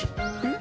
ん？